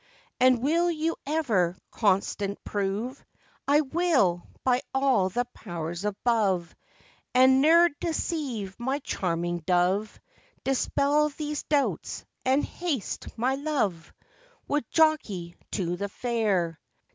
And will you ever constant prove?' 'I will, by all the powers above, And ne'er deceive my charming dove; Dispel these doubts, and haste, my love, With Jockey to the fair.